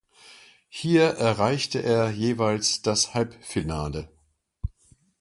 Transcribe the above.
Hier erreichte er jeweils das Halbfinale.